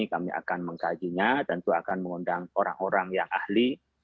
kami akan mengkajinya tentu akan mengundang orang orang yang ahli